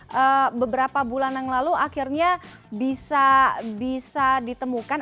beberapa bulan yang lalu akhirnya bisa ditemukan